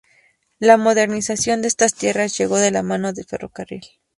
La modernización de estas tierras llegó de la mano del ferrocarril.